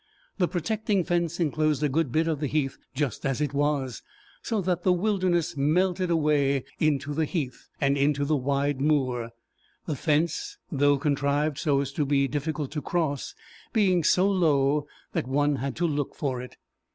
The protecting fence enclosed a good bit of the heath just as it was, so that the wilderness melted away into the heath, and into the wide moor the fence, though contrived so as to be difficult to cross, being so low that one had to look for it.